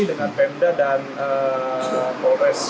dengan pemda dan polres